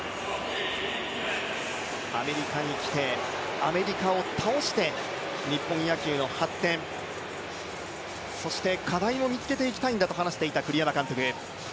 アメリカに来て、アメリカを倒して日本野球の発展、そして課題も見つけていきたいんだと話していた栗山監督。